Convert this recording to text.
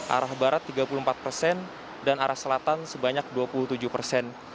arah barat tiga puluh empat persen dan arah selatan sebanyak dua puluh tujuh persen